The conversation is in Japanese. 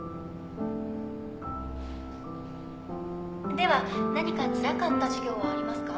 では何かつらかった授業はありますか？